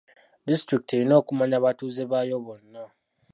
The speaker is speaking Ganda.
Disitulikiti erina okumanya abatuuze baayo bonna.